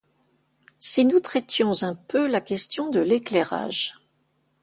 Si nous traitions un peu la question de l’éclairage.